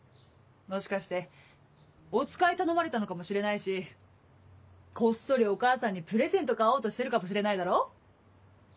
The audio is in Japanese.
もしかしてお使い頼まれたのかもしれないしこっそりお母さんにプレゼント買おうとしてるかもしれないだろ。